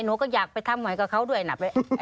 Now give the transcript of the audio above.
หนูก็อยากไปทำใหม่กับเขาด้วยนะ